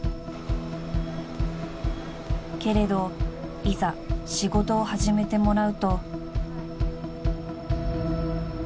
［けれどいざ仕事を始めてもらうと］